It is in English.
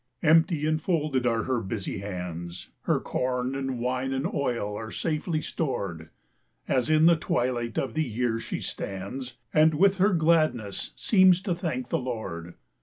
Empty and folded are her busy hands; Her corn and wine and oil are safely stored, As in the twilight of the year she stands, And with her gladness seems to thank the Lord.